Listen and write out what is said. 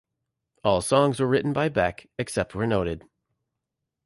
All songs were written by Beck, except where noted.